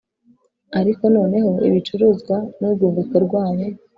Ariko noneho ibicuruzwa n’urwunguko rwabo,